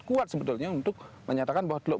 kuat sebetulnya untuk menyatakan bahwa